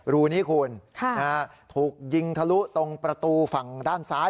รูนี้คุณถูกยิงทะลุตรงประตูฝั่งด้านซ้าย